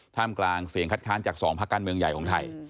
กลางเสียงคัดค้านจาก๒พักการเมืองใหญ่ของไทย